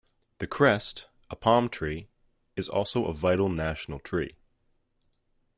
The crest, a palm tree, is also a vital national tree.